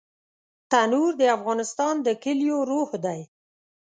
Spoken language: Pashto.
تنور د افغانستان د کليو روح دی